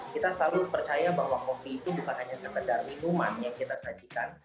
kita selalu percaya bahwa kopi itu bukan hanya sekedar minuman yang kita sajikan